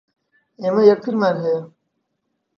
ئێمە یەکترمان ھەیە.